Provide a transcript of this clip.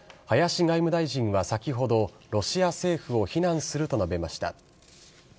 林外務大臣は先ほど、ロシア政府を非難すると述べました。